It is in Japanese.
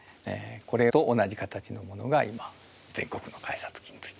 これと同じ形のものが今全国の改札機についてます。